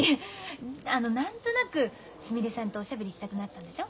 あの何となくすみれさんとおしゃべりしたくなったんでしょ？